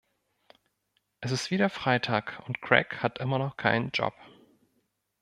Es ist wieder Freitag und Craig hat immer noch keinen Job.